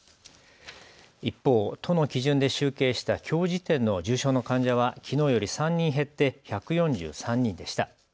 一方、都の基準で集計したきょう時点の重症の患者はきのうより３人減って１４３人でした。